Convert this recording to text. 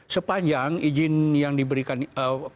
sepanjang izin yang diberikan pihak yang memperoleh